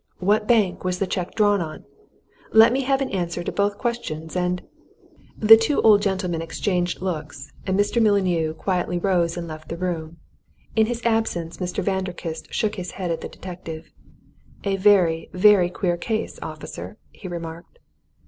What bank was the cheque drawn on? Let me have an answer to both these questions, and " The two old gentlemen exchanged looks, and Mr. Mullineau quietly rose and left the room. In his absence Mr. Vanderkiste shook his head at the detective. "A very, very queer case, officer!" he remarked.